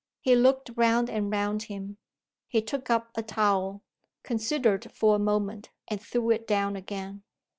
He looked round and round him. He took up a towel; considered for a moment; and threw it down again.